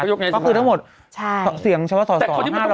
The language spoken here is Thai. ก็คือทั้งหมดเสียงสอสอ๕๐๐